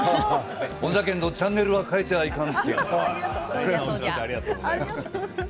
そじゃけんどチャンネルは変えちゃいけん。